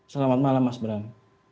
selamat malam mas bram